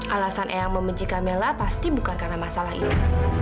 alasan eyang membenci camilla pasti bukan karena masalah itu